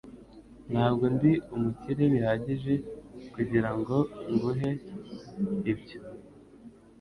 Ntabwo ndi umukire bihagije kugirango ngure ibyo